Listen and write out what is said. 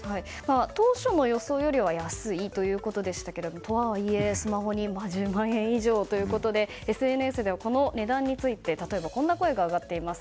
当初の予想よりは安いということでしたがとはいえ、スマホに１０万円以上ということでＳＮＳではこの値段について例えばこんな声が上がっています。